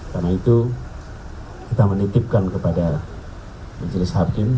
karena itu kita menitipkan kepada majelis hakim